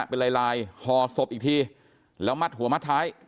เป็นลายลายห่อศพอีกทีแล้วมัดหัวมัดท้าย